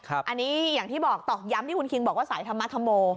อันนี้อย่างที่บอกต่อย้ำที่คนรู้จักว่าสายถมรรถทำโม